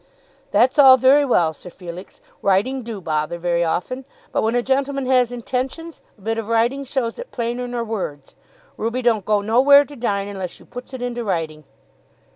"That's all very well, Sir Felix. Writing do bother, very often. But when a gentleman has intentions, a bit of writing shows it plainer nor words. Ruby don't go no where to dine unless you puts it into writing."